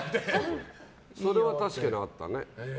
それは確かにあったね。